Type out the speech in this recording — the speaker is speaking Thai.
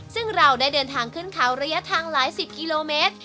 ซึ่งเราได้เดินทางขึ้นเขาระยะทางหลายสิบกิโลเมตร